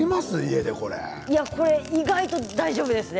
意外と大丈夫ですね。